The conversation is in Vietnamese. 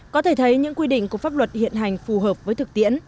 có thể thấy những quy định của pháp luật hiện hành phù hợp với thực tiễn